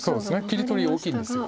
切り取り大きいです。